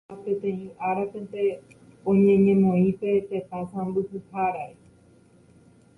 ha peteĩ árapente oñeñemoĩ pe tetã sãmbyhyháre